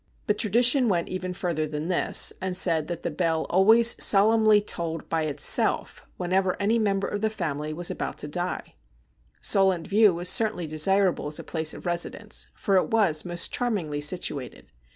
But tradition went even further than this, and said that the bell always solemnly tolled by itself whenever any member of the family was about to die. Solent View was certainly desirable as a place of residence, for it was most charmingly situated.